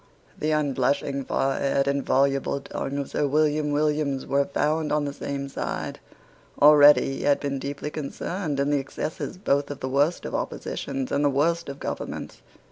The unblushing forehead and voluble tongue of Sir William Williams were found on the same side. Already he had been deeply concerned in the excesses both of the worst of oppositions and of the worst of governments.